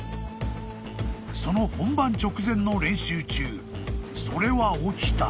［その本番直前の練習中それは起きた］